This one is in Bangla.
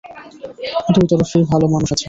দুই তরফেই ভালো মানুষ আছে।